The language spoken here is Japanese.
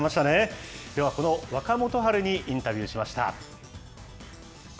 では、この若元春にインタビューしました。